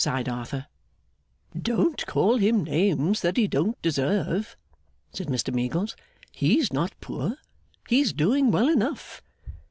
sighed Arthur. 'Don't call him names that he don't deserve,' said Mr Meagles. 'He's not poor; he's doing well enough.